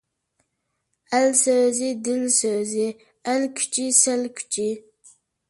ئەل سۆزى — دىل سۆزى. ئەل كۈچى — سەل كۈچى.